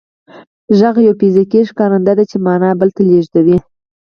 غږ یو فزیکي ښکارنده ده چې معنا بل ته لېږدوي